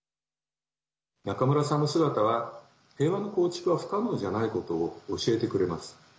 中村さんの姿は、平和の構築は不可能じゃないことを教えてくれます。